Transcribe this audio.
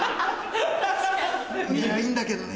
いやいいんだけどね。